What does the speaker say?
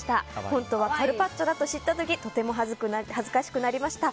本当はカルパッチョだと知った時とても恥ずかしくなりました。